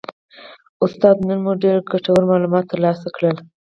استاده نن مو ډیر ګټور معلومات ترلاسه کړل